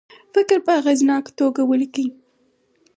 فکر په اغیزناکه توګه ولیکي.